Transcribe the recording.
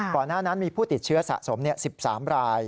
หน้านั้นมีผู้ติดเชื้อสะสม๑๓ราย